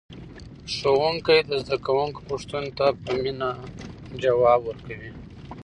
ښوونکی د زده کوونکو پوښتنو ته په مینه ځواب ورکوي